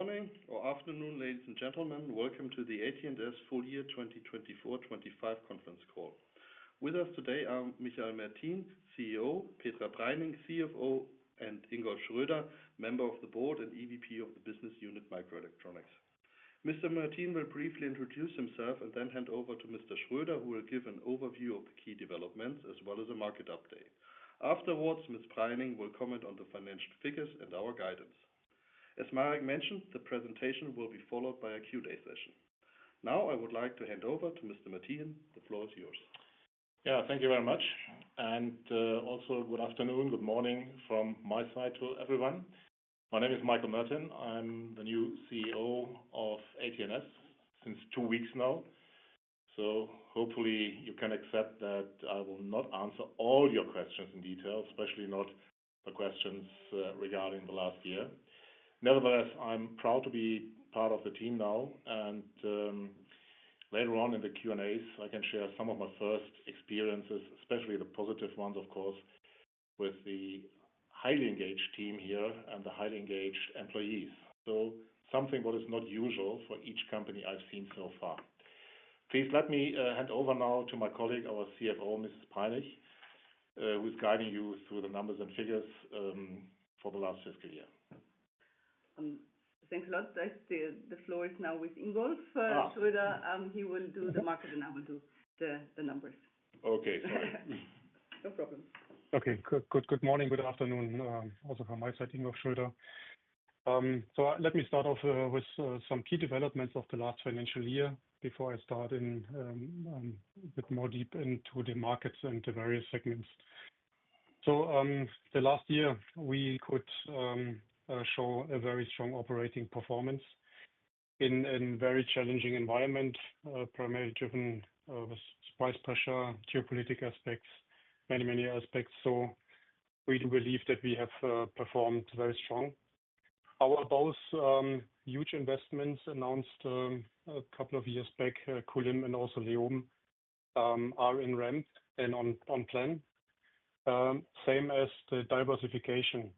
Morning or afternoon, ladies and gentlemen. Welcome to the AT&S Full Year 2024-2025 Conference Call. With us today are Michael Mertin, CEO, Petra Breining, CFO, and Ingolf Schröder, Member of the Board and EVP of the Business Unit Microelectronics. Mr. Mertin will briefly introduce himself and then hand over to Mr. Schröder, who will give an overview of the key developments as well as a market update. Afterwards, Ms. Breining will comment on the financed figures and our guidance. As Marek mentioned, the presentation will be followed by a Q&A session. Now, I would like to hand over to Mr. Mertin. The floor is yours. Yeah, thank you very much. Also, good afternoon, good morning from my side to everyone. My name is Michael Mertin. I'm the new CEO of AT&S since two weeks now. Hopefully you can accept that I will not answer all your questions in detail, especially not the questions regarding the last year. Nevertheless, I'm proud to be part of the team now. Later on in the Q&As, I can share some of my first experiences, especially the positive ones, of course, with the highly engaged team here and the highly engaged employees. That is something that is not usual for each company I've seen so far. Please let me hand over now to my colleague, our CFO, Ms. Breining, who is guiding you through the numbers and figures for the last fiscal year. Thanks a lot. The floor is now with Ingolf Schröder. He will do the market and I will do the numbers. Okay, sorry. No problem. Okay, good morning, good afternoon. Also from my side, Ingolf Schröder. Let me start off with some key developments of the last financial year before I start in a bit more deep into the markets and the various segments. The last year, we could show a very strong operating performance in a very challenging environment, primarily driven with price pressure, geopolitical aspects, many, many aspects. We do believe that we have performed very strong. Our both huge investments announced a couple of years back, Kulim and also Leoben, are in ramp and on plan. Same as the diversification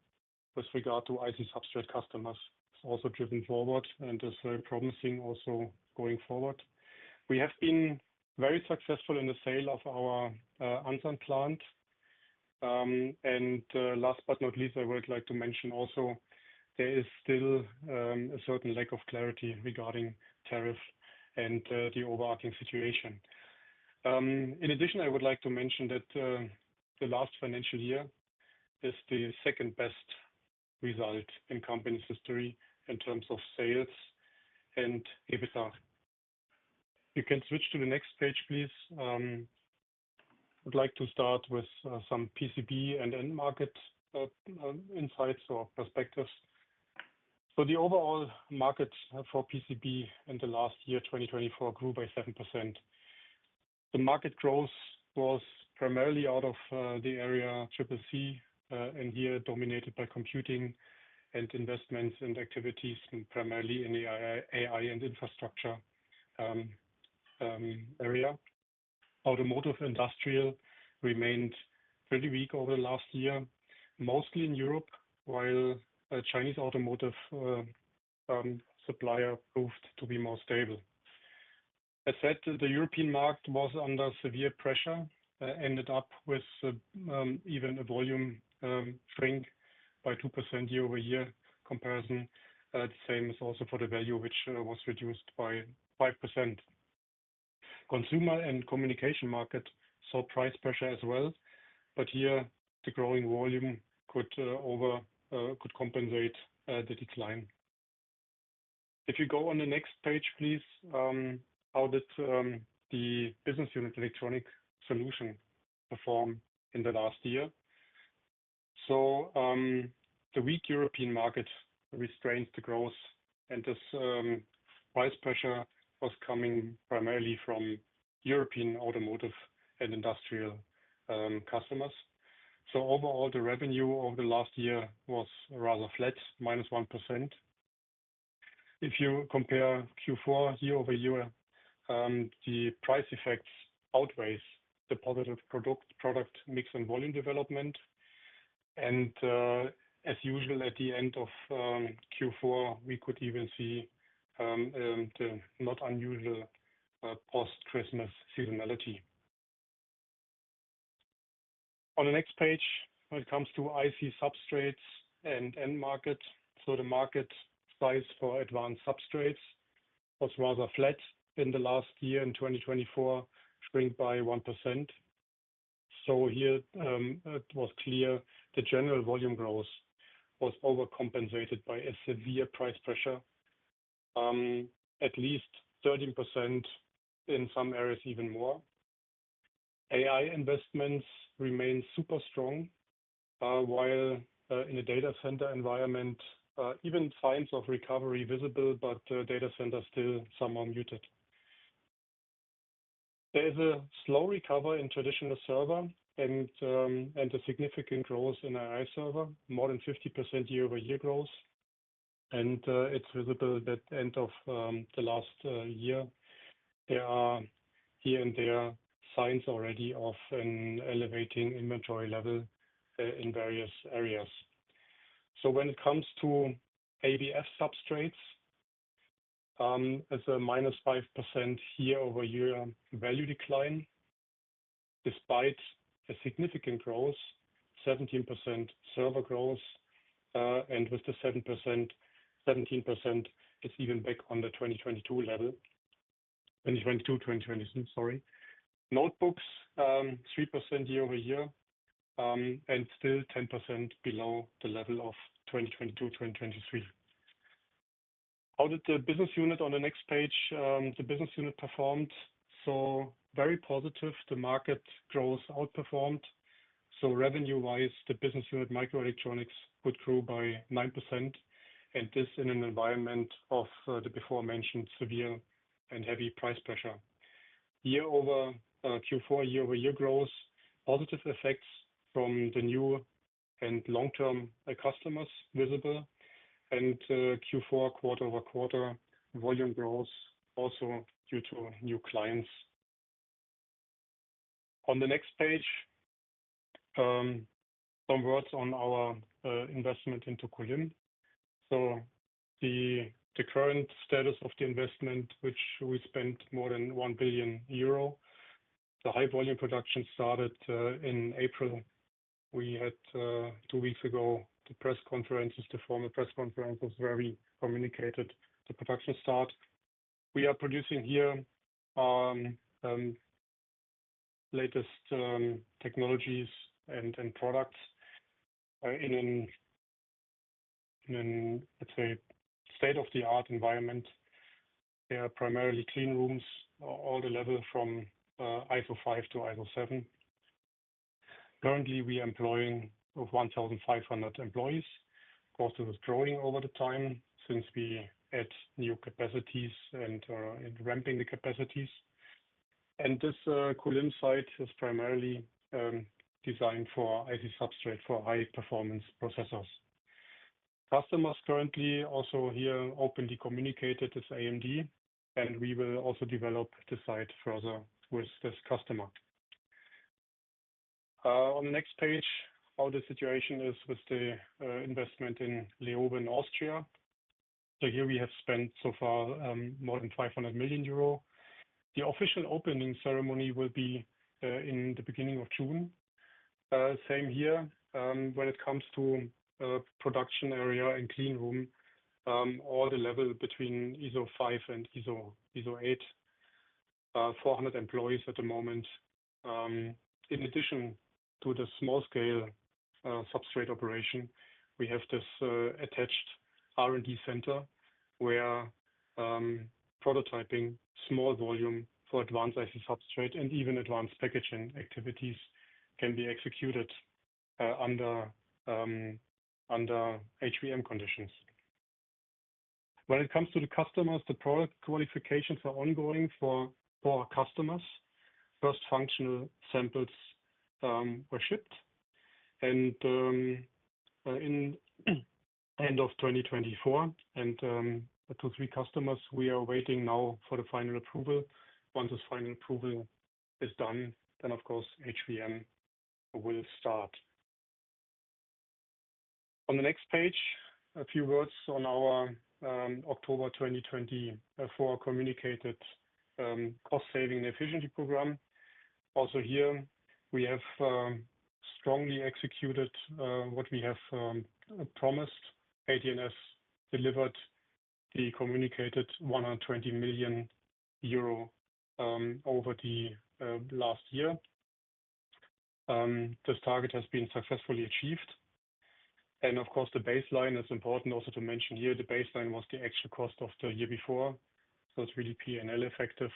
with regard to IC substrate customers. It is also driven forward and is very promising also going forward. We have been very successful in the sale of our Ansan plant. Last but not least, I would like to mention also there is still a certain lack of clarity regarding tariffs and the overarching situation. In addition, I would like to mention that the last financial year is the second best result in company history in terms of sales and EBITDA. You can switch to the next page, please. I would like to start with some PCB and end market insights or perspectives. The overall market for PCB in the last year, 2024, grew by 7%. The market growth was primarily out of the area CCC, and here dominated by computing and investments and activities, primarily in AI and infrastructure area. Automotive industrial remained pretty weak over the last year, mostly in Europe, while Chinese automotive supplier proved to be more stable. As said, the European market was under severe pressure, ended up with even a volume shrink by 2% year-over-year comparison. The same is also for the value, which was reduced by 5%. Consumer and communication market saw price pressure as well, but here the growing volume could compensate the decline. If you go on the next page, please, how did the business unit electronic solution perform in the last year? The weak European market restrained the growth, and this price pressure was coming primarily from European automotive and industrial customers. Overall, the revenue over the last year was rather flat, minus 1%. If you compare Q4 year-over-year, the price effects outweighs the positive product mix and volume development. As usual, at the end of Q4, we could even see the not unusual post-Christmas seasonality. On the next page, when it comes to IC substrates and end market, the market size for advanced substrates was rather flat in the last year in 2024, shrink by 1%. Here it was clear the general volume growth was overcompensated by a severe price pressure, at least 13% in some areas, even more. AI investments remained super strong, while in the data center environment, even signs of recovery visible, but data centers still somewhat muted. There is a slow recovery in traditional server and a significant growth in AI server, more than 50% year-over-year growth. It is visible that end of the last year, there are here and there signs already of an elevating inventory level in various areas. When it comes to ABF substrates, it's a -5% year-over-year value decline, despite significant growth, 17% server growth, and with the 17%, it's even back on the 2022 level. 2022, 2023, sorry. Notebooks, 3% year-over-year, and still 10% below the level of 2022, 2023. How did the business unit on the next page, the business unit perform? Very positive. The market growth outperformed. Revenue-wise, the business unit microelectronics would grow by 9%, and this in an environment of the before mentioned severe and heavy price pressure. Year over Q4, year-over-year growth, positive effects from the new and long-term customers visible. Q4, quarter over quarter, volume growth also due to new clients. On the next page, some words on our investment into Kulim. The current status of the investment, which we spent more than 1 billion euro, the high-volume production started in April. We had two weeks ago the press conferences, the formal press conferences, where we communicated the production start. We are producing here latest technologies and products in a, let's say, state-of-the-art environment. They are primarily clean rooms, all the level from ISO five to ISO seven. Currently, we are employing 1,500 employees. Of course, this is growing over the time since we add new capacities and are ramping the capacities. This Kulim site is primarily designed for IC substrates for high-performance processors. Customers currently also here openly communicated this AMD, and we will also develop this site further with this customer. On the next page, how the situation is with the investment in Leoben Austria. Here we have spent so far more than 500 million euro. The official opening ceremony will be in the beginning of June. Same here when it comes to production area and clean room, all the level between ISO 5 and ISO 8, 400 employees at the moment. In addition to the small-scale substrate operation, we have this attached R&D center where prototyping small volume for advanced IC substrate and even advanced packaging activities can be executed under HVM conditions. When it comes to the customers, the product qualifications are ongoing for our customers. First functional samples were shipped in the end of 2024, and two or three customers we are waiting now for the final approval. Once this final approval is done, then of course HVM will start. On the next page, a few words on our October 2024 communicated cost-saving and efficiency program. Also here, we have strongly executed what we have promised. AT&S delivered the communicated 120 million euro over the last year. This target has been successfully achieved. The baseline is important also to mention here. The baseline was the actual cost of the year before. It is really P&L effective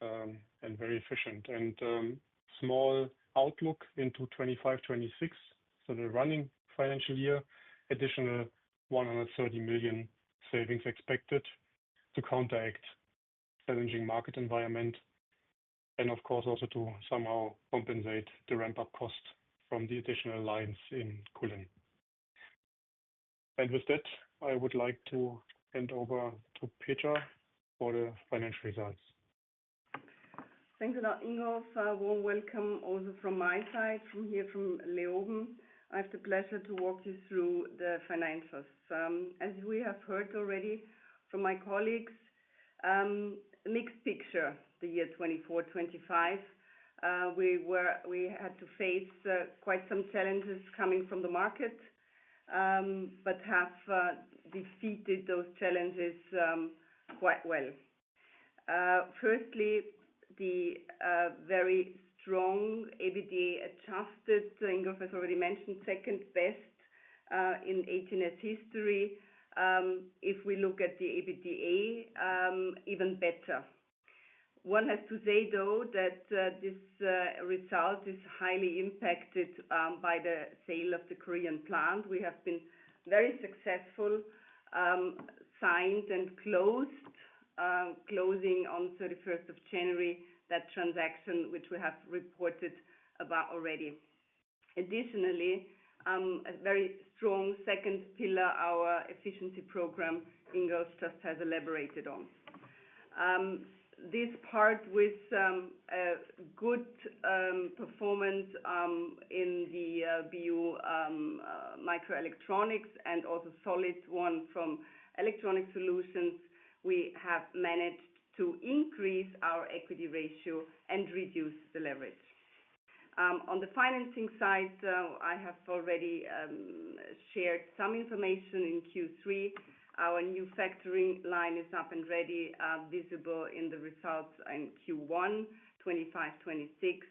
and very efficient. A small outlook into 2025-2026, the running financial year, additional 130 million savings expected to counteract challenging market environment. It is also to somehow compensate the ramp-up cost from the additional lines in Kulim. With that, I would like to hand over to Petra for the financial results. Thanks a lot, Ingolf. Warm welcome also from my side, from here from Leoben. I have the pleasure to walk you through the financials. As we have heard already from my colleagues, mixed picture, the year 2024-2025, we had to face quite some challenges coming from the market, but have defeated those challenges quite well. Firstly, the very strong EBITDA adjusted, Ingolf has already mentioned, second best in AT&S history. If we look at the EBITDA, even better. One has to say, though, that this result is highly impacted by the sale of the Korean plant. We have been very successful, signed and closed, closing on 31st of January, that transaction which we have reported about already. Additionally, a very strong second pillar, our efficiency program, Ingolf just has elaborated on. This part with good performance in the BU microelectronics and also solid one from electronic solutions, we have managed to increase our equity ratio and reduce the leverage. On the financing side, I have already shared some information in Q3. Our new factoring line is up and ready, visible in the results in Q1 2025-2026.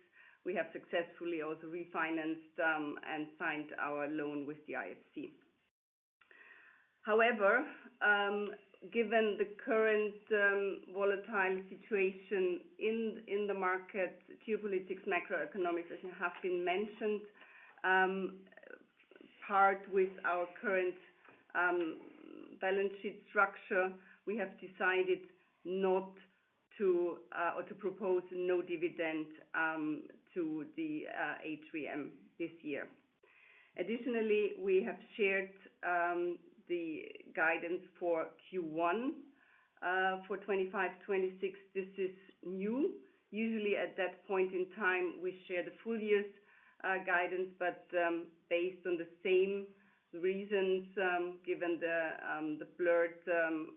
We have successfully also refinanced and signed our loan with the IFC. However, given the current volatile situation in the market, geopolitics, macroeconomic situation have been mentioned, part with our current balance sheet structure, we have decided not to or to propose no dividend to the HVM this year. Additionally, we have shared the guidance for Q1 for 2025-2026. This is new. Usually at that point in time, we share the full year's guidance, but based on the same reasons, given the blurred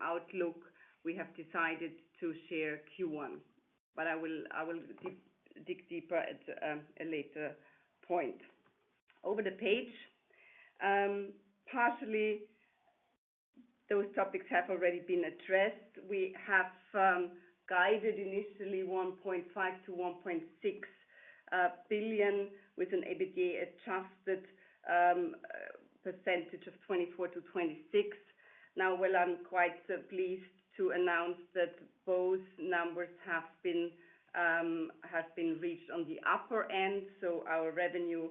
outlook, we have decided to share Q1. I will dig deeper at a later point. Over the page, partially, those topics have already been addressed. We have guided initially 1.5 billion-1.6 billion with an EBITDA adjusted percentage of 24%-26%. Now, I am quite pleased to announce that those numbers have been reached on the upper end. Our revenue,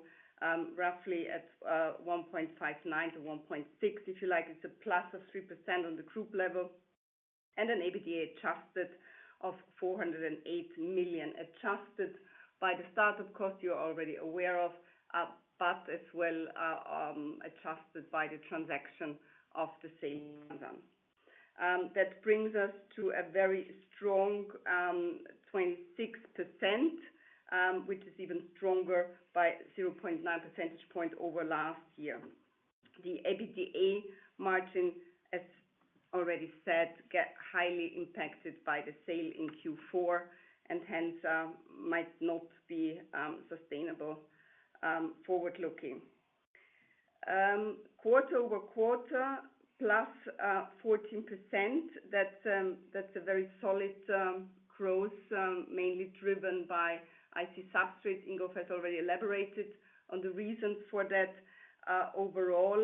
roughly at 1.59 billion-1.6 billion, if you like, it is a plus of 3% on the group level. An EBITDA adjusted of 408 million, adjusted by the startup cost you are already aware of, but as well adjusted by the transaction of the same amount. That brings us to a very strong 26%, which is even stronger by 0.9 percentage point over last year. The EBITDA margin, as already said, got highly impacted by the sale in Q4 and hence might not be sustainable forward-looking. Quarter over quarter, plus 14%, that's a very solid growth, mainly driven by IC substrate. Ingolf has already elaborated on the reasons for that. Overall,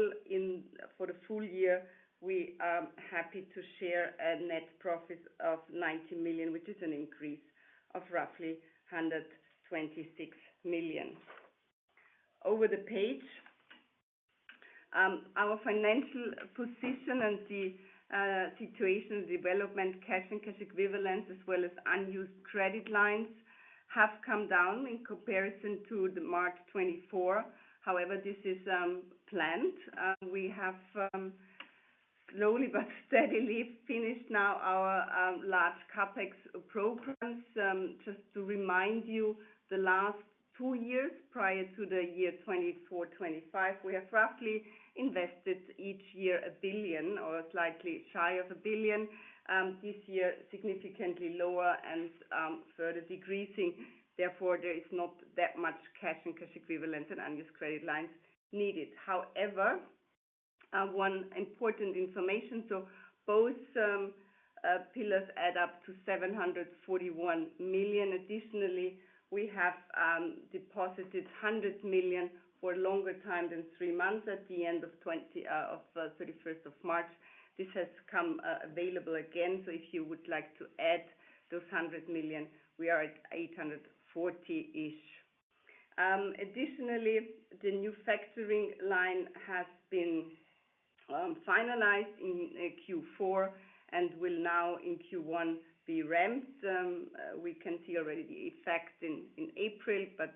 for the full year, we are happy to share a net profit of 90 million, which is an increase of roughly 126 million. Over the page, our financial position and the situation development, cash and cash equivalents, as well as unused credit lines have come down in comparison to March 2024. However, this is planned. We have slowly but steadily finished now our large CapEx programs. Just to remind you, the last two years prior to the year 2024-2025, we have roughly invested each year a billion or slightly shy of a billion. This year, significantly lower and further decreasing. Therefore, there is not that much cash and cash equivalents and unused credit lines needed. However, one important information, so both pillars add up to 741 million. Additionally, we have deposited 100 million for a longer time than three months at the end of 31st of March. This has come available again. If you would like to add those 100 million, we are at 840-ish. Additionally, the new factoring line has been finalized in Q4 and will now in Q1 be ramped. We can see already the effects in April, but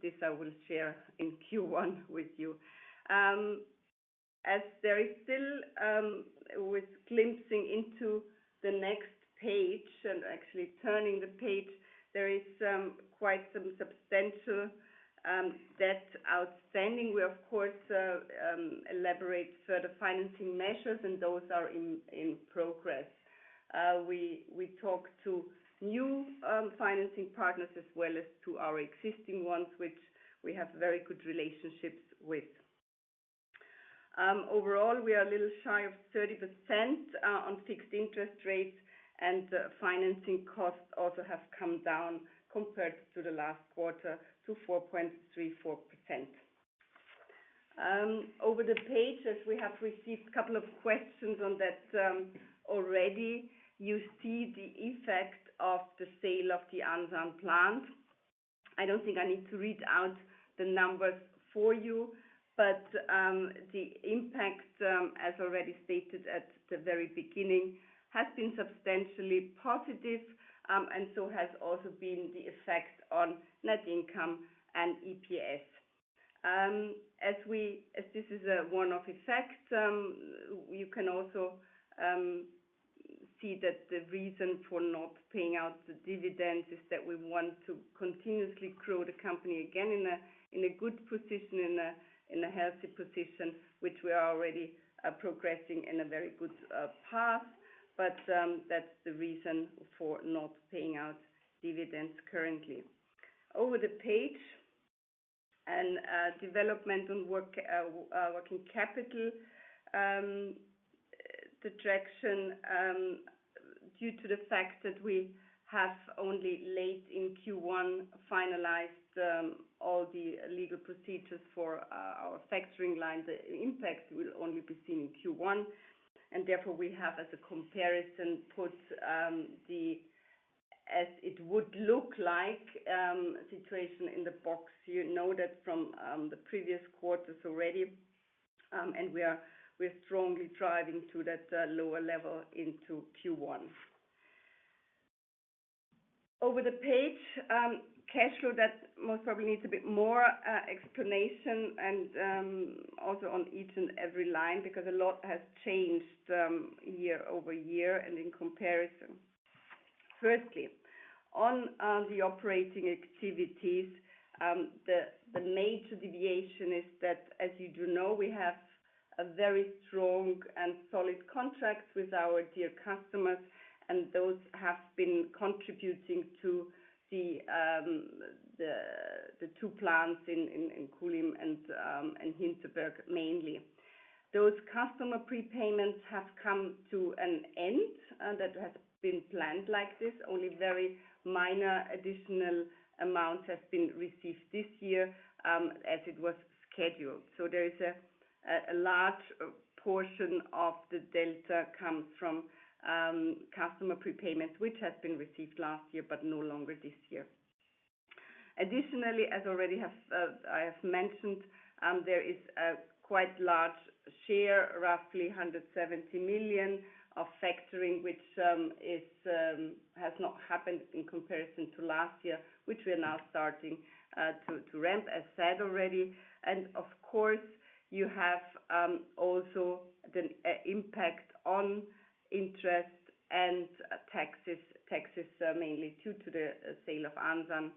this I will share in Q1 with you. As there is still, with glimpsing into the next page and actually turning the page, there is quite some substantial debt outstanding. We, of course, elaborate further financing measures, and those are in progress. We talk to new financing partners as well as to our existing ones, which we have very good relationships with. Overall, we are a little shy of 30% on fixed interest rates, and financing costs also have come down compared to the last quarter to 4.34%. Over the page, as we have received a couple of questions on that already, you see the effect of the sale of the Ansan plant. I do not think I need to read out the numbers for you, but the impact, as already stated at the very beginning, has been substantially positive, and so has also been the effect on net income and EPS. As this is a one-off effect, you can also see that the reason for not paying out the dividends is that we want to continuously grow the company again in a good position, in a healthy position, which we are already progressing in a very good path. That is the reason for not paying out dividends currently. Over the page, and development and working capital projection due to the fact that we have only late in Q1 finalized all the legal procedures for our factoring line, the impact will only be seen in Q1. Therefore, we have as a comparison put the, as it would look like, situation in the box. You know that from the previous quarters already, and we are strongly driving to that lower level into Q1. Over the page, cash flow that most probably needs a bit more explanation and also on each and every line because a lot has changed year-over-year and in comparison. Firstly, on the operating activities, the major deviation is that, as you do know, we have very strong and solid contracts with our dear customers, and those have been contributing to the two plants in Kulim and Hinterberg mainly. Those customer prepayments have come to an end that has been planned like this. Only very minor additional amounts have been received this year as it was scheduled. There is a large portion of the delta comes from customer prepayments, which has been received last year, but no longer this year. Additionally, as I have mentioned, there is a quite large share, roughly 170 million of factoring, which has not happened in comparison to last year, which we are now starting to ramp, as said already. Of course, you have also the impact on interest and taxes, taxes, mainly due to the sale of Ansan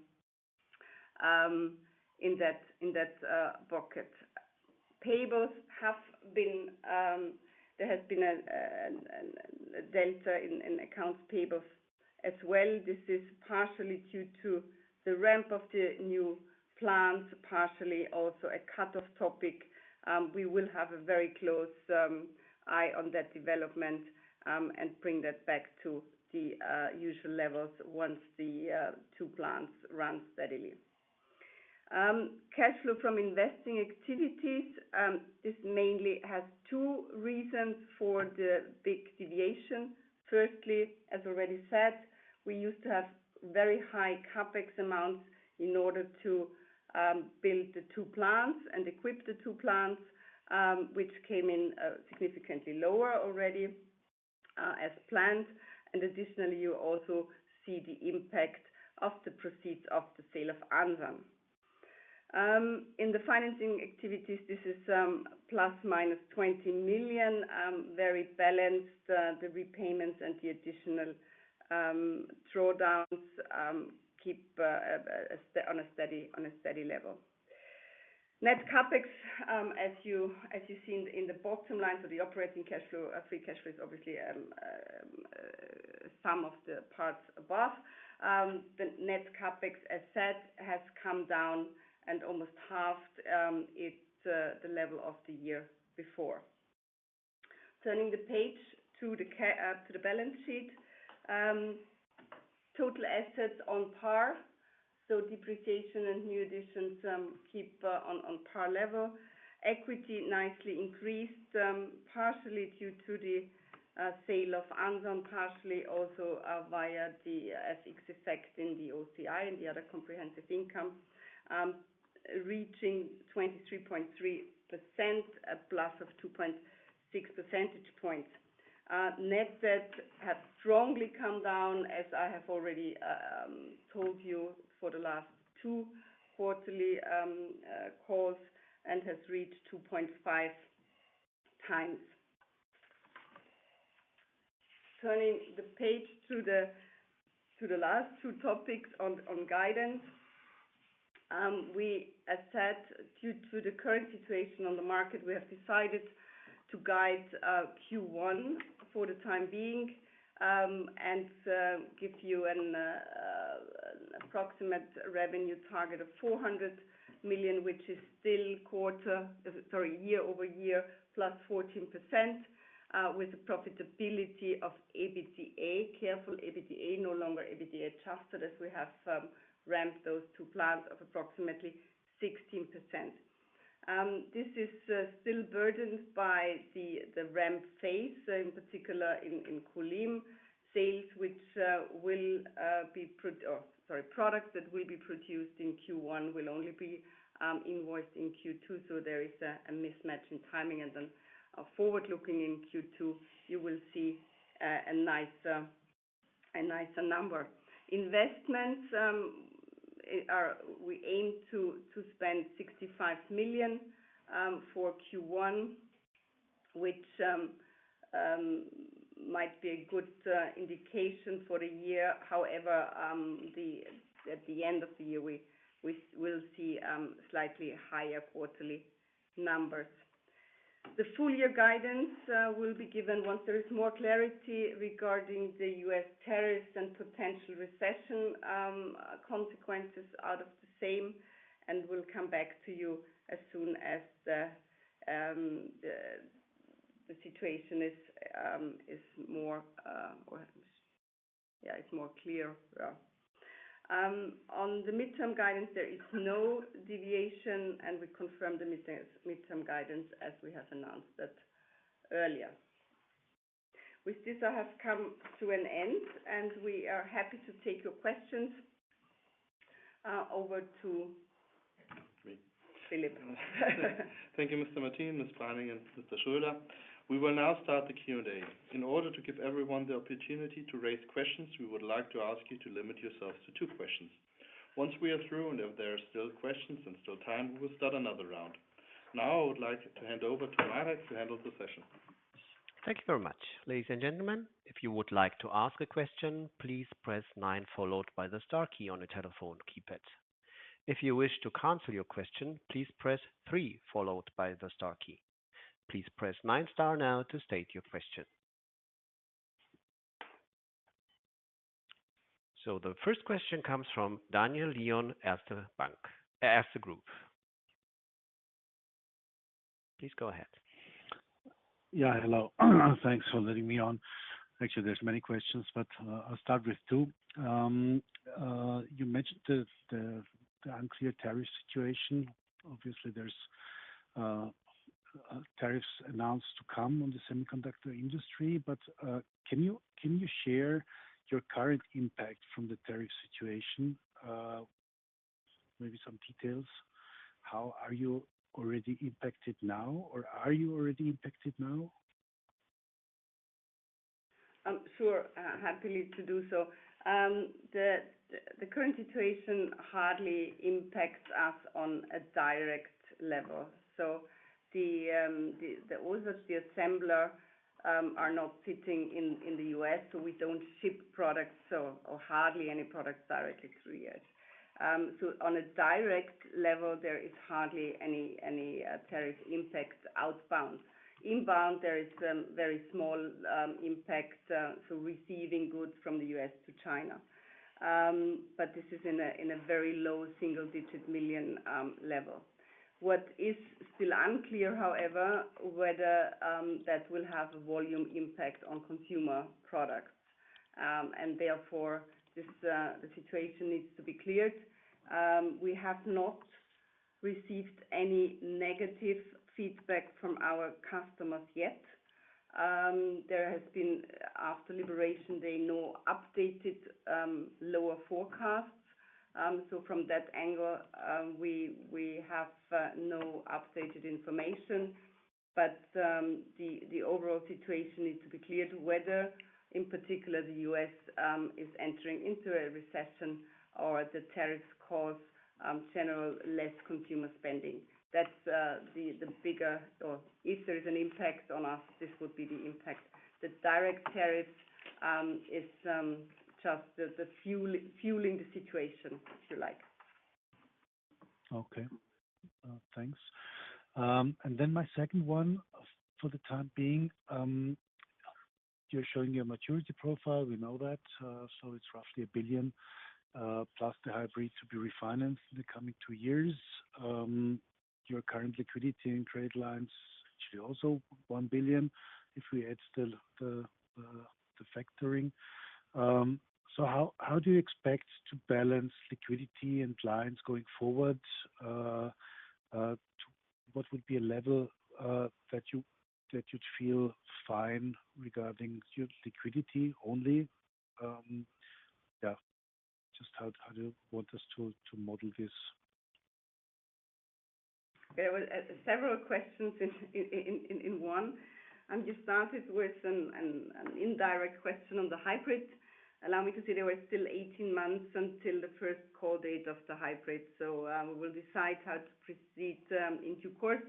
in that bucket. Payables have been there has been a delta in accounts payables as well. This is partially due to the ramp of the new plants, partially also a cut-off topic. We will have a very close eye on that development and bring that back to the usual levels once the two plants run steadily. Cash flow from investing activities mainly has two reasons for the big deviation. Firstly, as already said, we used to have very high CapEx amounts in order to build the two plants and equip the two plants, which came in significantly lower already as planned. Additionally, you also see the impact of the proceeds of the sale of Ansan. In the financing activities, this is plus minus 20 million, very balanced. The repayments and the additional drawdowns keep on a steady level. Net CapEx, as you see in the bottom line, so the operating cash flow, free cash flow is obviously some of the parts above. The net CapEx, as said, has come down and almost halved the level of the year before. Turning the page to the balance sheet, total assets on par. So depreciation and new additions keep on par level. Equity nicely increased, partially due to the sale of Ansan, partially also via the FX effect in the OCI and the other comprehensive income, reaching 23.3%, a plus of 2.6 percentage points. Net debt has strongly come down, as I have already told you for the last two quarterly calls, and has reached 2.5 times. Turning the page to the last two topics on guidance, we, as said, due to the current situation on the market, we have decided to guide Q1 for the time being and give you an approximate revenue target of 400 million, which is still quarter, sorry, year-over-year, plus 14% with the profitability of EBITDA. Careful, EBITDA no longer EBITDA adjusted as we have ramped those two plants of approximately 16%. This is still burdened by the ramp phase, in particular in Kulim sales, which will be products that will be produced in Q1 will only be invoiced in Q2. There is a mismatch in timing. Forward-looking in Q2, you will see a nicer number. Investments, we aim to spend 65 million for Q1, which might be a good indication for the year. However, at the end of the year, we will see slightly higher quarterly numbers. The full year guidance will be given once there is more clarity regarding the U.S. tariffs and potential recession consequences out of the same. We will come back to you as soon as the situation is more clear. On the midterm guidance, there is no deviation, and we confirm the midterm guidance as we have announced that earlier. With this, I have come to an end, and we are happy to take your questions over to Philip. Thank you, Mr. Mertin, Ms. Breining, and Mr. Schröder. We will now start the Q&A. In order to give everyone the opportunity to raise questions, we would like to ask you to limit yourselves to two questions. Once we are through and if there are still questions and still time, we will start another round. Now, I would like to hand over to Marek to handle the session. Thank you very much. Ladies and gentlemen, if you would like to ask a question, please press 9 followed by the star key on a telephone keypad. If you wish to cancel your question, please press 3 followed by the star key. Please press 9 star now to state your question. The first question comes from Daniel Lyon Erste Group. Please go ahead. Yeah, hello. Thanks for letting me on. Actually, there's many questions, but I'll start with two. You mentioned the unclear tariff situation. Obviously, there's tariffs announced to come on the semiconductor industry, but can you share your current impact from the tariff situation? Maybe some details. How are you already impacted now, or are you already impacted now? Sure. Happy to do so. The current situation hardly impacts us on a direct level. The orders, the assembler are not sitting in the U.S., so we don't ship products or hardly any products directly through the U.S. On a direct level, there is hardly any tariff impact outbound. Inbound, there is very small impact, so receiving goods from the U.S. to China. This is in a very low single-digit million level. What is still unclear, however, is whether that will have a volume impact on consumer products. Therefore, the situation needs to be cleared. We have not received any negative feedback from our customers yet. There has been, after liberation, no updated lower forecasts. From that angle, we have no updated information. The overall situation needs to be cleared whether, in particular, the US is entering into a recession or the tariffs cause generally less consumer spending. That is the bigger, or if there is an impact on us, this would be the impact. The direct tariffs are just fueling the situation, if you like. Okay. Thanks. My second one, for the time being, you are showing your maturity profile. We know that. It is roughly 1 billion plus the hybrid to be refinanced in the coming two years. Your current liquidity and trade lines should also be 1 billion if we add the factoring. How do you expect to balance liquidity and lines going forward? What would be a level that you'd feel fine regarding liquidity only? Yeah. Just how do you want us to model this? There were several questions in one. I just started with an indirect question on the hybrid. Allow me to say there are still 18 months until the first call date of the hybrid. We will decide how to proceed in due course.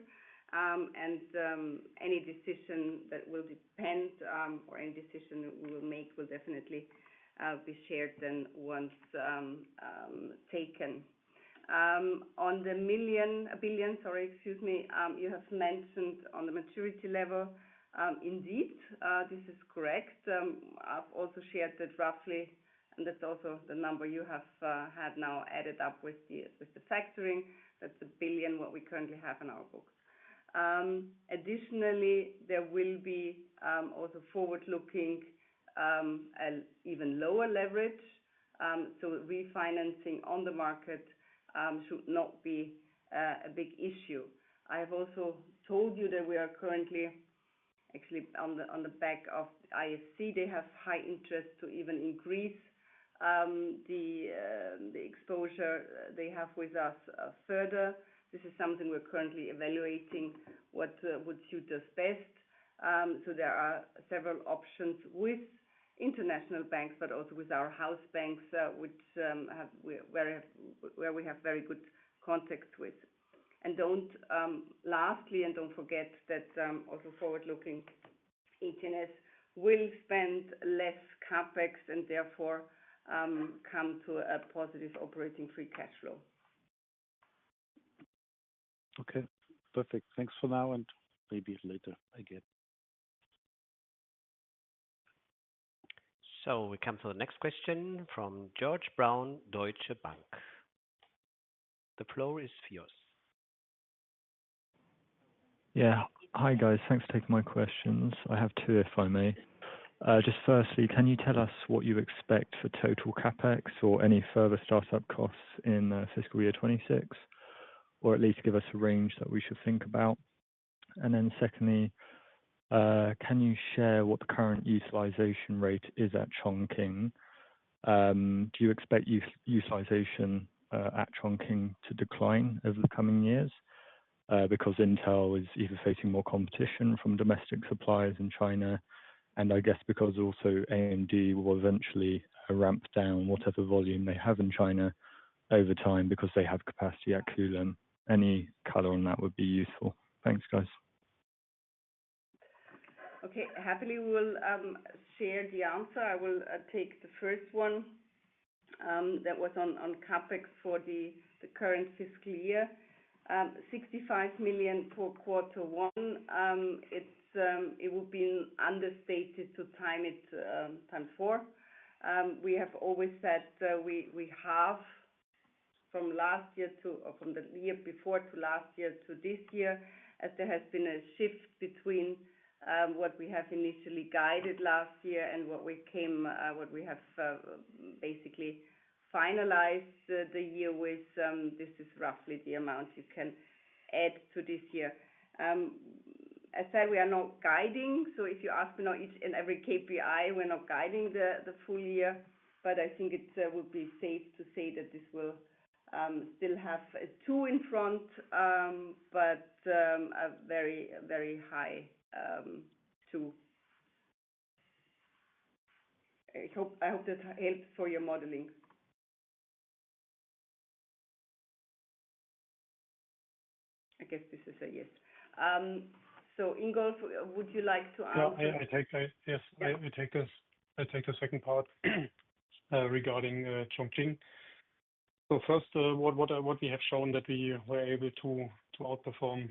Any decision we will make will definitely be shared then once taken. On the billion, sorry, excuse me, you have mentioned on the maturity level, indeed, this is correct. I have also shared that roughly, and that is also the number you have now added up with the factoring. That's a billion what we currently have in our books. Additionally, there will be also forward-looking and even lower leverage. Refinancing on the market should not be a big issue. I have also told you that we are currently, actually on the back of IFC, they have high interest to even increase the exposure they have with us further. This is something we're currently evaluating what would suit us best. There are several options with international banks, but also with our house banks, which we have very good context with. Lastly, and don't forget that also forward-looking, AT&S will spend less CapEx and therefore come to a positive operating free cash flow. Okay. Perfect. Thanks for now and maybe later again. We come to the next question from George Brown, Deutsche Bank. The floor is yours. Yeah. Hi guys. Thanks for taking my questions. I have two if I may. Just firstly, can you tell us what you expect for total CapEx or any further startup costs in fiscal year 2026, or at least give us a range that we should think about? Then secondly, can you share what the current utilization rate is at Chongqing? Do you expect utilization at Chongqing to decline over the coming years? Because Intel is either facing more competition from domestic suppliers in China, and I guess because also AMD will eventually ramp down whatever volume they have in China over time because they have capacity at Kulim. Any color on that would be useful. Thanks, guys. Okay. Happily, we'll share the answer. I will take the first one that was on CapEx for the current fiscal year. 65 million for quarter one. It will be understated to time it times four. We have always said we have from last year to or from the year before to last year to this year, as there has been a shift between what we have initially guided last year and what we came, what we have basically finalized the year with. This is roughly the amount you can add to this year. As I said, we are not guiding. If you ask me now each and every KPI, we're not guiding the full year. I think it would be safe to say that this will still have a two in front, but a very, very high two. I hope that helps for your modeling. I guess this is a yes. Ingolf, would you like to answer? Yes. I take the second part regarding Chongqing. First, what we have shown is that we were able to outperform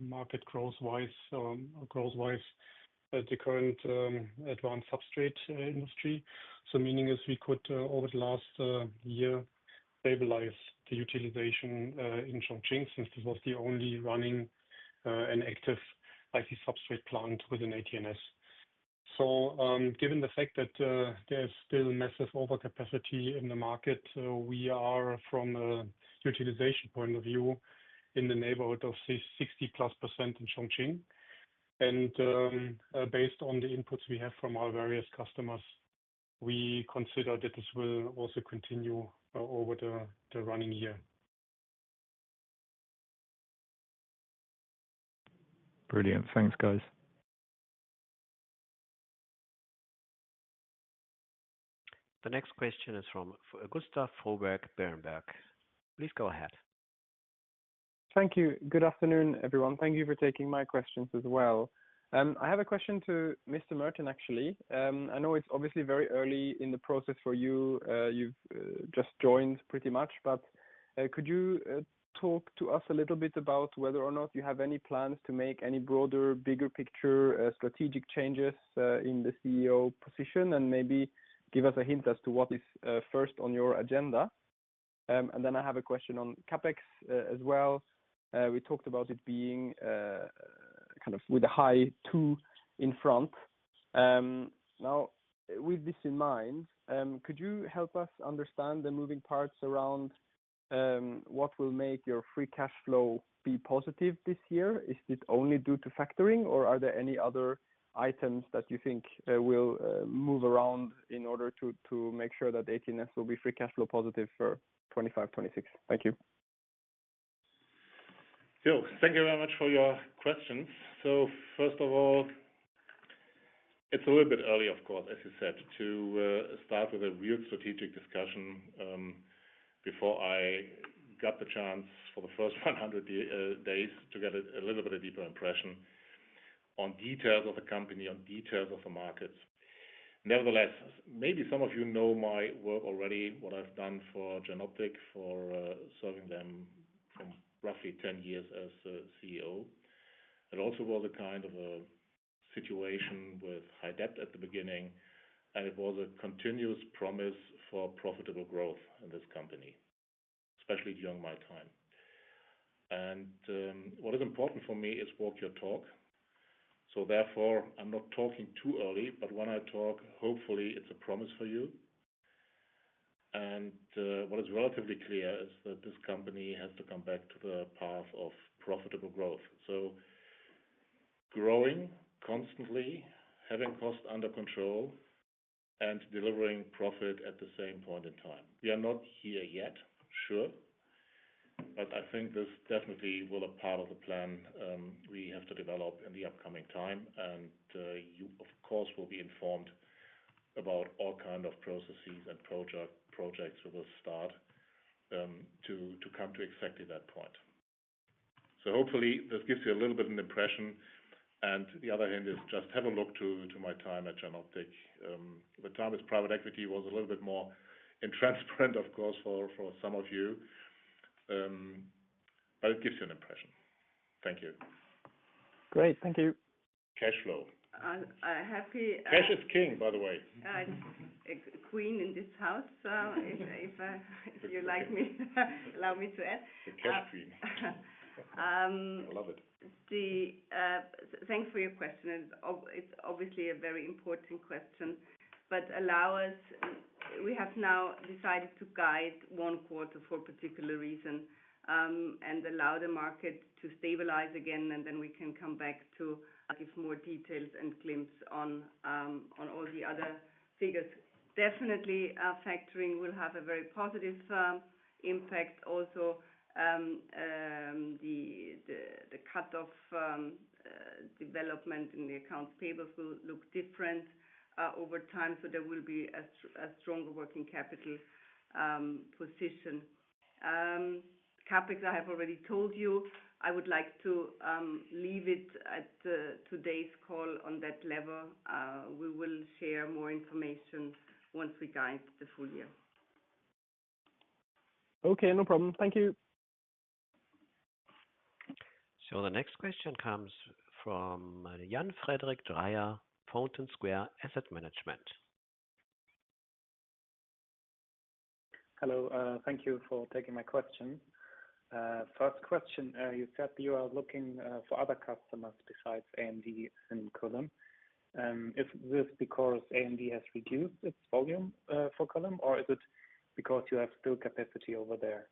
market growth-wise the current advanced substrate industry. Meaning is we could over the last year stabilize the utilization in Chongqing since this was the only running and active IC substrate plant within AT&S. Given the fact that there is still massive overcapacity in the market, we are from a utilization point of view in the neighborhood of 60+% in Chongqing. Based on the inputs we have from our various customers, we consider that this will also continue over the running year. Brilliant. Thanks, guys. The next question is from Gustav Fröberg at Berenberg. Please go ahead. Thank you. Good afternoon, everyone. Thank you for taking my questions as well. I have a question to Mr. Mertin, actually. I know it is obviously very early in the process for you. You have just joined pretty much. Could you talk to us a little bit about whether or not you have any plans to make any broader, bigger picture strategic changes in the CEO position and maybe give us a hint as to what is first on your agenda? I have a question on CapEx as well. We talked about it being kind of with a high two in front. Now, with this in mind, could you help us understand the moving parts around what will make your free cash flow be positive this year? Is it only due to factoring, or are there any other items that you think will move around in order to make sure that AT&S will be free cash flow positive for 2025, 2026? Thank you. Thank you very much for your questions. First of all, it's a little bit early, of course, as you said, to start with a real strategic discussion before I got the chance for the first 100 days to get a little bit of a deeper impression on details of the company, on details of the markets. Nevertheless, maybe some of you know my work already, what I've done for Jenoptik for serving them for roughly 10 years as CEO. It also was a kind of a situation with high debt at the beginning, and it was a continuous promise for profitable growth in this company, especially during my time. What is important for me is walk your talk. Therefore, I'm not talking too early, but when I talk, hopefully, it's a promise for you. What is relatively clear is that this company has to come back to the path of profitable growth. Growing constantly, having cost under control, and delivering profit at the same point in time. We are not here yet, sure. I think this definitely will be part of the plan we have to develop in the upcoming time. You, of course, will be informed about all kinds of processes and projects we will start to come to exactly that point. Hopefully, this gives you a little bit of an impression. On the other hand, just have a look to my time at Jenoptik. The time as private equity was a little bit more in transparent, of course, for some of you. It gives you an impression. Thank you. Great. Thank you. Cash flow. Happy. Cash is king, by the way. Queen in this house, if you like me to allow me to add. The cash queen. I love it. Thanks for your question. It's obviously a very important question. Allow us, we have now decided to guide one quarter for a particular reason and allow the market to stabilize again, and then we can come back to give more details and glimpse on all the other figures. Definitely, factoring will have a very positive impact. Also, the cut-off development in the accounts payable will look different over time, so there will be a stronger working capital position. CapEx, I have already told you. I would like to leave it at today's call on that level. We will share more information once we guide the full year. Okay. No problem. Thank you. The next question comes from Jan-Frederic Dreyer, Fountain Square Asset Management. Hello. Thank you for taking my question. First question, you said you are looking for other customers besides AMD and Kulim. Is this because AMD has reduced its volume for Kulim, or is it because you have still capacity over there?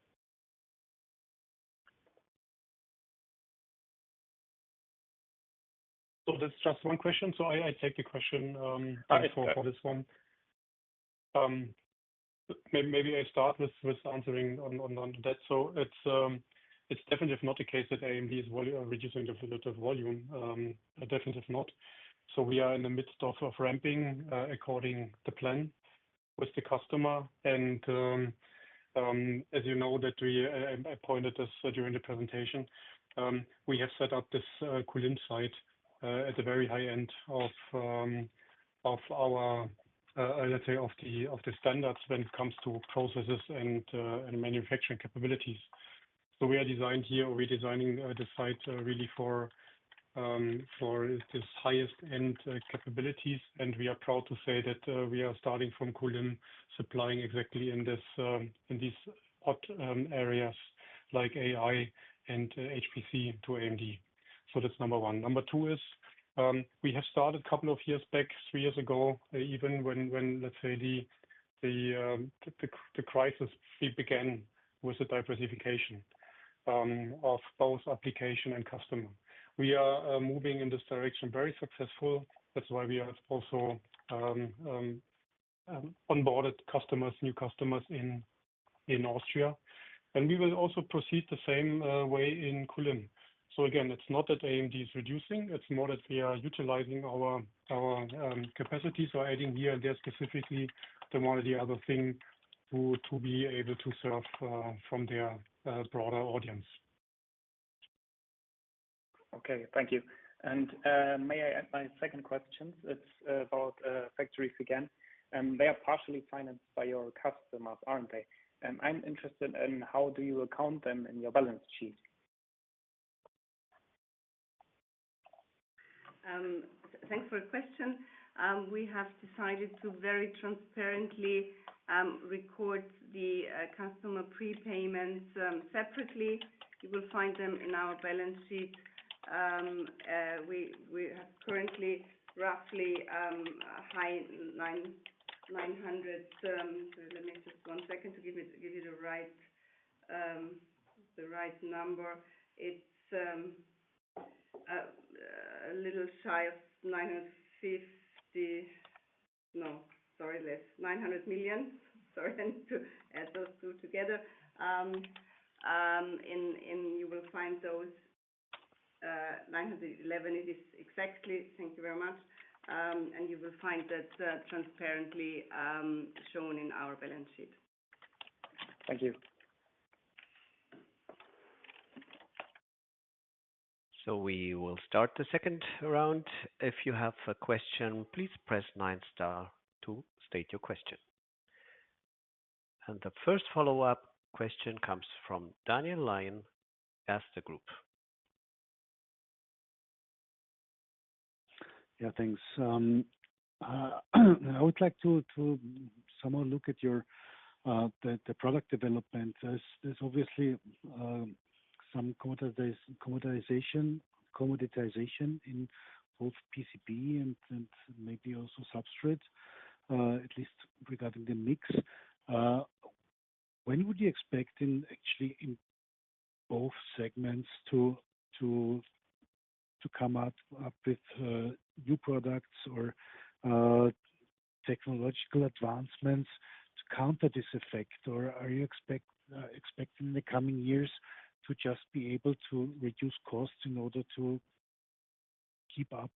That is just one question. I take the question for this one. Maybe I start with answering on that. It is definitely not the case that AMD is reducing the volume. Definitely not. We are in the midst of ramping according to plan with the customer. As you know, I pointed this out during the presentation, we have set up this Kulim site at the very high end of our, let's say, of the standards when it comes to processes and manufacturing capabilities. We are designed here, we are designing the site really for these highest-end capabilities. We are proud to say that we are starting from Kulim supplying exactly in these hot areas like AI and HPC to AMD. That is number one. Number two is we have started a couple of years back, three years ago, even when, let's say, the crisis began with the diversification of both application and customer. We are moving in this direction very successfully. That is why we have also onboarded customers, new customers in Austria. We will also proceed the same way in Kulim. It is not that AMD is reducing. It is more that we are utilizing our capacities or adding here and there specifically the one or the other thing to be able to serve from there a broader audience. Okay. Thank you. May I add my second question? It is about factories again. They are partially financed by your customers, are they not? I am interested in how you account for them in your balance sheet. Thanks for the question. We have decided to very transparently record the customer prepayments separately. You will find them in our balance sheet. We have currently roughly high 900. Let me just one second to give you the right number. It's a little shy of 950. No, sorry, less. 900 million. Sorry, I need to add those two together. And you will find those 911 is exactly. Thank you very much. You will find that transparently shown in our balance sheet. Thank you. We will start the second round. If you have a question, please press nine star to state your question. The first follow-up question comes from Daniel Lyon as the group. Yeah, thanks. I would like to somehow look at the product development. There's obviously some commoditization in both PCB and maybe also substrate, at least regarding the mix. When would you expect actually in both segments to come up with new products or technological advancements to counter this effect? Are you expecting in the coming years to just be able to reduce costs in order to keep up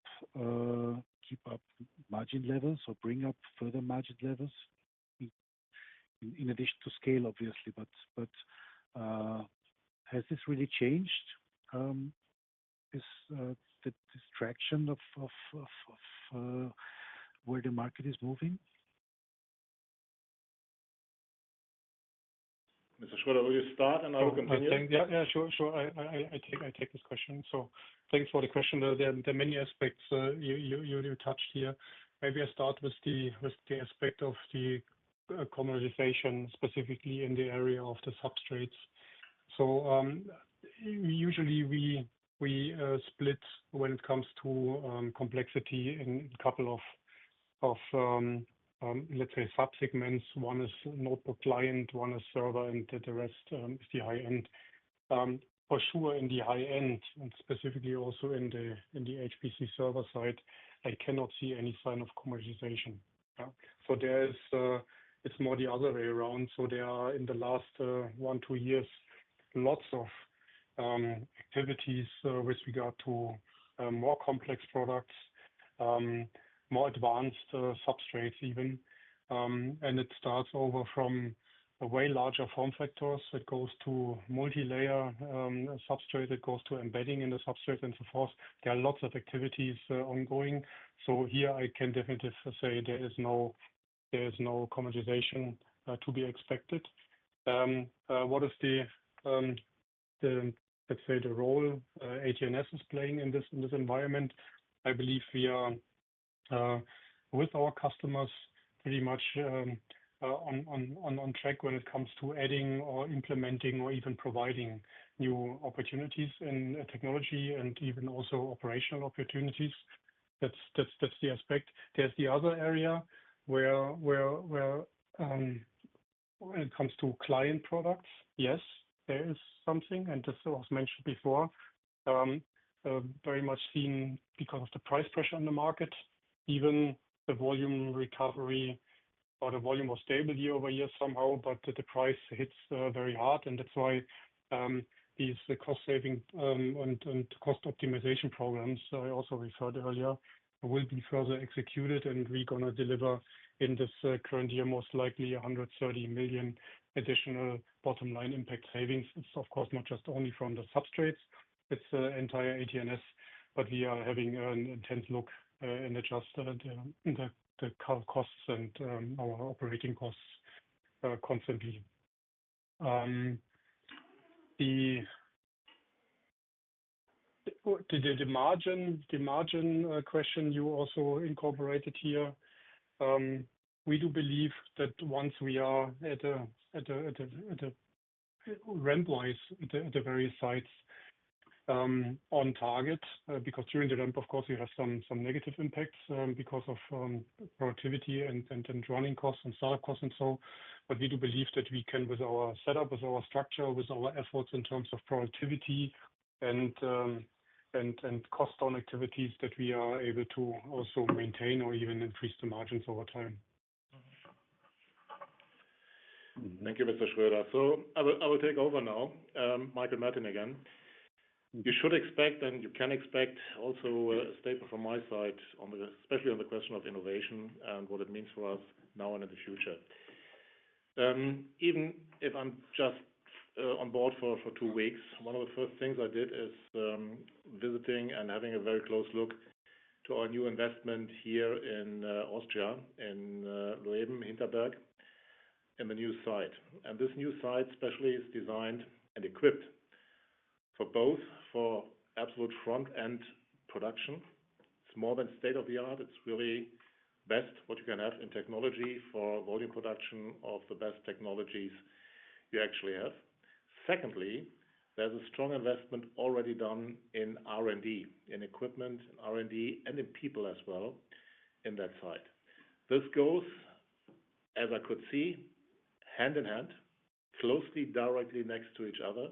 margin levels or bring up further margin levels in addition to scale, obviously? Has this really changed? Is the distraction of where the market is moving? Mr. Schröder, will you start and I will continue? Yeah, sure. I take this question. Thanks for the question. There are many aspects you touched here. Maybe I start with the aspect of the commoditization, specifically in the area of the substrates. Usually, we split when it comes to complexity in a couple of, let's say, subsegments. One is notebook client, one is server, and the rest is the high end. For sure, in the high end, and specifically also in the HPC server side, I cannot see any sign of commoditization. It is more the other way around. There are, in the last one, two years, lots of activities with regard to more complex products, more advanced substrates even. It starts over from way larger form factors. It goes to multi-layer substrate. It goes to embedding in the substrate and so forth. There are lots of activities ongoing. Here, I can definitely say there is no commoditization to be expected. What is the, let's say, the role AT&S is playing in this environment? I believe we are, with our customers, pretty much on track when it comes to adding or implementing or even providing new opportunities in technology and even also operational opportunities. That's the aspect. There's the other area where it comes to client products, yes, there is something. Just as mentioned before, very much seen because of the price pressure in the market. Even the volume recovery or the volume was stable year-over-year somehow, but the price hits very hard. That is why these cost-saving and cost optimization programs I also referred earlier will be further executed. We are going to deliver in this current year, most likely, 130 million additional bottom-line impact savings. It is, of course, not just only from the substrates. It is the entire AT&S, but we are having an intense look and adjust the costs and our operating costs constantly. The margin question you also incorporated here, we do believe that once we are at a ramp-wise at the various sites on target, because during the ramp, of course, you have some negative impacts because of productivity and running costs and startup costs and so. We do believe that we can, with our setup, with our structure, with our efforts in terms of productivity and cost-own activities, that we are able to also maintain or even increase the margins over time. Thank you, Mr. Schröder. I will take over now, Michael Mertin again. You should expect, and you can expect also a statement from my side, especially on the question of innovation and what it means for us now and in the future. Even if I am just on board for two weeks, one of the first things I did is visiting and having a very close look to our new investment here in Austria, in Leoben, Hinterberg, in the new site. This new site especially is designed and equipped for both for absolute front-end production. It is more than state-of-the-art. It's really best what you can have in technology for volume production of the best technologies you actually have. Secondly, there's a strong investment already done in R&D, in equipment, in R&D, and in people as well in that site. This goes, as I could see, hand in hand, closely, directly next to each other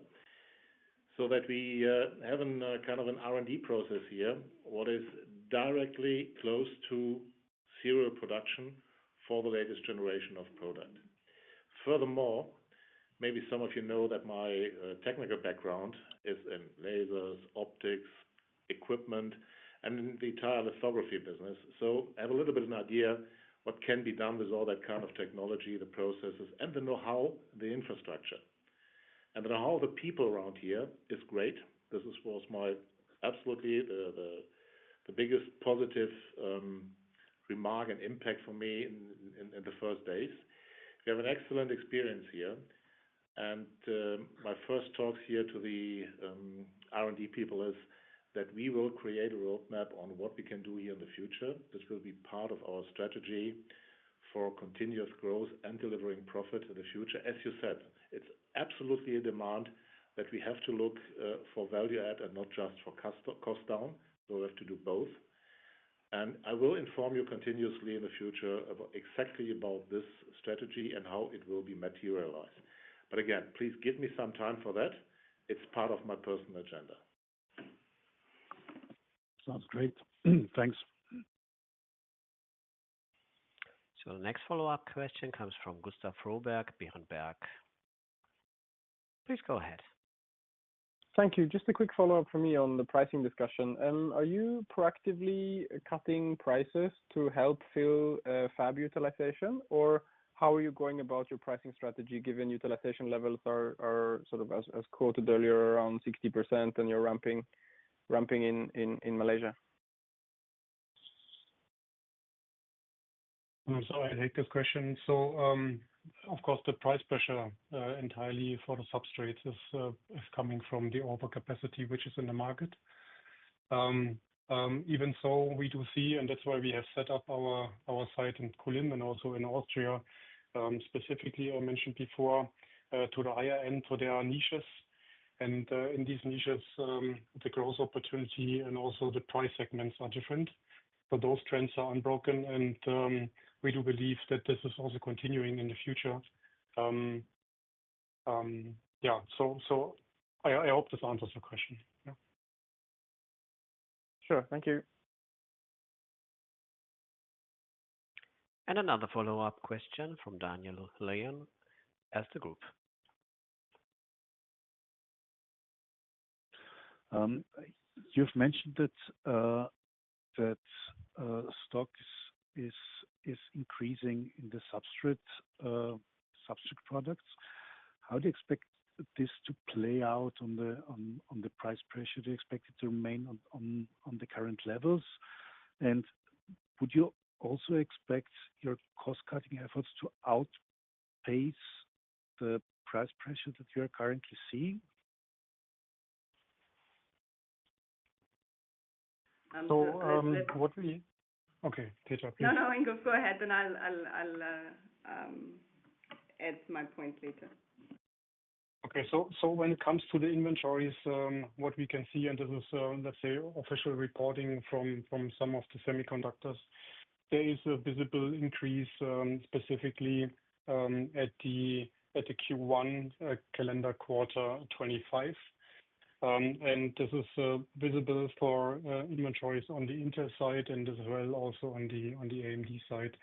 so that we have kind of an R&D process here, what is directly close to serial production for the latest generation of product. Furthermore, maybe some of you know that my technical background is in lasers, optics, equipment, and in the entire lithography business. I have a little bit of an idea what can be done with all that kind of technology, the processes, and the know-how, the infrastructure. The know-how of the people around here is great. This was absolutely the biggest positive remark and impact for me in the first days. We have an excellent experience here. My first talks here to the R&D people is that we will create a roadmap on what we can do here in the future. This will be part of our strategy for continuous growth and delivering profit in the future. As you said, it's absolutely a demand that we have to look for value-add and not just for cost-down. We have to do both. I will inform you continuously in the future exactly about this strategy and how it will be materialized. Please give me some time for that. It's part of my personal agenda. Sounds great. Thanks. The next follow-up question comes from Gustav Fröberg, Berenberg. Please go ahead. Thank you. Just a quick follow-up from me on the pricing discussion. Are you proactively cutting prices to help fill fab utilization, or how are you going about your pricing strategy given utilization levels are sort of, as quoted earlier, around 60% and you're ramping in Malaysia? I'm sorry. I take this question. Of course, the price pressure entirely for the substrates is coming from the overcapacity which is in the market. Even so, we do see, and that's why we have set up our site in Kulim and also in Austria, specifically I mentioned before, to the higher end, to their niches. In these niches, the growth opportunity and also the price segments are different. Those trends are unbroken, and we do believe that this is also continuing in the future. I hope this answers your question. Sure. Thank you. Another follow-up question from Daniel Lyon Erste Group. You've mentioned that stock is increasing in the substrate products. How do you expect this to play out on the price pressure? Do you expect it to remain on the current levels? Would you also expect your cost-cutting efforts to outpace the price pressure that you're currently seeing? What we—okay. Petra, please. No, no. Ingolf go ahead. Then I'll add my point later. Okay. When it comes to the inventories, what we can see, and this is, let's say, official reporting from some of the semiconductors, there is a visible increase specifically at the Q1 calendar quarter 2025. This is visible for inventories on the Intel side and as well also on the AMD side.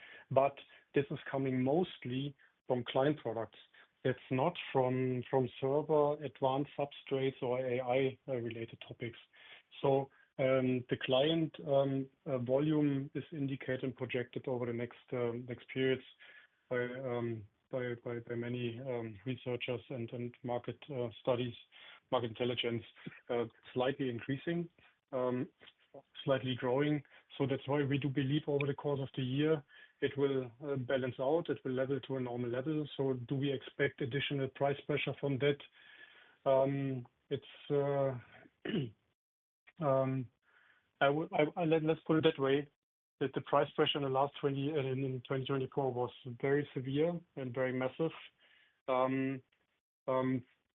This is coming mostly from client products. It is not from server, advanced substrates, or AI-related topics. The client volume is indicated and projected over the next period by many researchers and market studies, market intelligence, slightly increasing, slightly growing. That is why we do believe over the course of the year, it will balance out. It will level to a normal level. Do we expect additional price pressure from that? Let's put it that way. The price pressure in 2024 was very severe and very massive.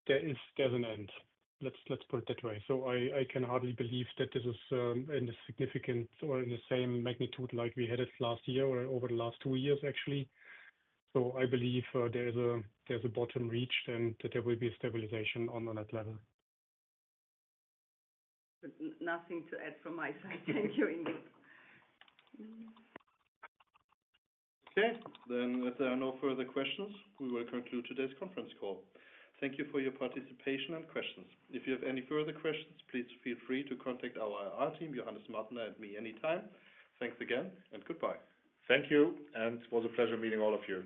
There is an end. Let's put it that way. I can hardly believe that this is in a significant or in the same magnitude like we had it last year or over the last two years, actually. I believe there is a bottom reached and that there will be a stabilization on that level. Nothing to add from my side. Thank you, Ingrid. Okay. If there are no further questions, we will conclude today's conference call. Thank you for your participation and questions. If you have any further questions, please feel free to contact our IR team, Johannes Martner and me anytime. Thanks again and goodbye. Thank you. It was a pleasure meeting all of you.